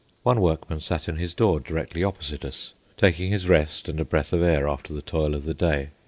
One workman sat in his door directly opposite us, taking his rest and a breath of air after the toil of the day.